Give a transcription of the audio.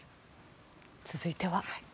続いては。